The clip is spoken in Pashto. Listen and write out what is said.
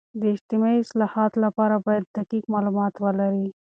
د اجتماعي اصلاحاتو لپاره باید دقیق معلومات ولري.